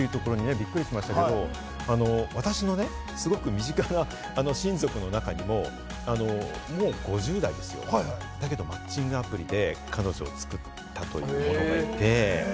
最も多いというところに、びっくりしましたが、私の身近な親族の中にももう５０代ですよ、だけどマッチングアプリで彼女を作ったというものがいて。